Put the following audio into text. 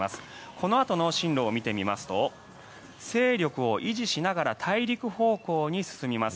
このあとの進路を見てみますと勢力を維持しながら大陸方向に進みます。